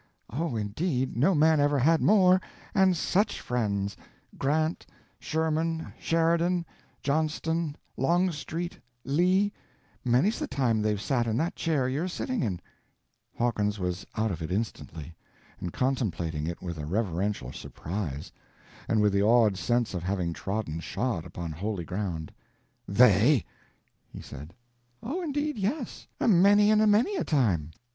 —oh, indeed, no man ever had more; and such friends: Grant, Sherman, Sheridan, Johnston, Longstreet, Lee—many's the time they've sat in that chair you're sitting in—" Hawkins was out of it instantly, and contemplating it with a reverential surprise, and with the awed sense of having trodden shod upon holy ground— "They!" he said. "Oh, indeed, yes, a many and a many a time."